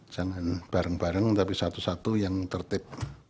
jangan bareng bareng tapi satu satu yang tertib